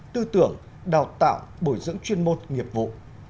tư tưởng đào tạo bồi dưỡng chuyên môn nghiệp vụ